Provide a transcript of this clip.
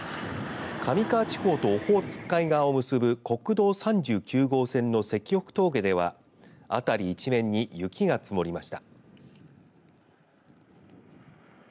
上川地方とオホーツク海側を結ぶ国道３９号線の石北峠では辺り一面に雪が積もりました。